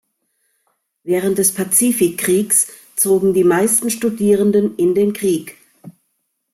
Während des Pazifikkriegs zogen die meiste Studierenden in den Krieg.